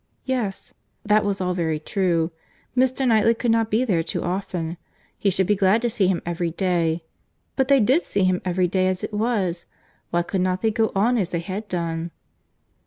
—Yes. That was all very true. Mr. Knightley could not be there too often; he should be glad to see him every day;—but they did see him every day as it was.—Why could not they go on as they had done?